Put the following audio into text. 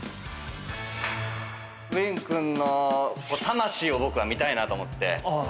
ウィン君の魂を僕は見たいなと思って。